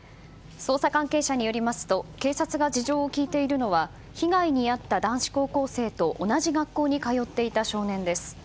捜査関係者によりますと警察が事情を聴いているのは被害に遭った男子高校生と同じ学校に通っていた少年です。